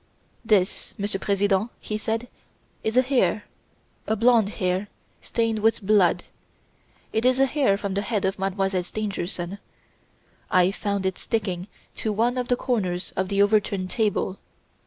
"This, Monsieur President," he said, "is a hair a blond hair stained with blood; it is a hair from the head of Mademoiselle Stangerson. I found it sticking to one of the corners of the overturned table.